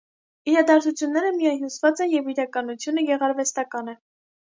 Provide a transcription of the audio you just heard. Իրադարձությունները միահյուսված են և իրականությունը գեղարվեստական է։